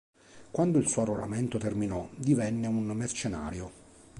Quando il suo arruolamento terminò, divenne un mercenario.